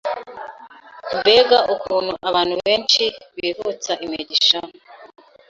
Mbega ukuntu abantu benshi bivutsa imigisha